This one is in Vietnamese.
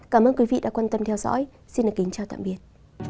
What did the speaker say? cảm ơn quý vị đã quan tâm theo dõi xin kính chào tạm biệt